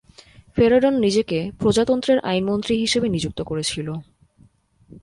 ফেরেডন নিজেকে প্রজাতন্ত্রের আইনমন্ত্রী হিসেবে নিযুক্ত করেছিল।